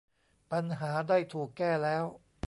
ปัญหาได้ถูกแก้แล้ว